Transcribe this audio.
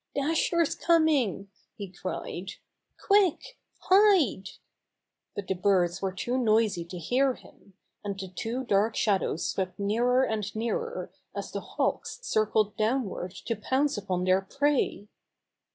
"Dasher's coming!" he cried. "Quick! Hide!" But the birds were too noisy to hear him, and the two dark shadows swept nearer and nearer, as the Hawks circled downward to pounce upon their prey.